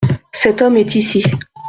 Cet homme est ici.